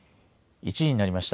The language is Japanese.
１時になりました。